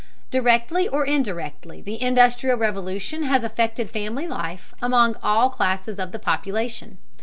Directly or indirectly, the Industrial Revolution has affected family life among all classes of the population.